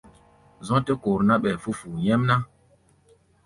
Zɔ̧́ tɛ́ kor ná, ɓɛɛ fú̧ fu̧u̧ nyɛ́mná.